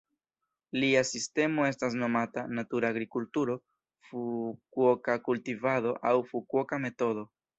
Lia sistemo estas nomata "natura agrikulturo", "Fukuoka-kultivado" aŭ "Fukuoka-Metodo".